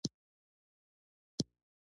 غرمه د ښو عملونو وخت ګڼل کېږي